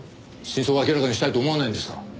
真相を明らかにしたいと思わないんですか？